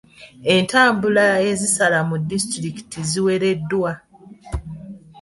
Entambula ezisala mu disitulikiti ziwereddwa.